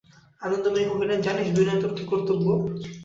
আনন্দময়ী কহিলেন, জানিস, বিনয়, তোর কী কর্তব্য?